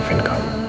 tapi janganlah kau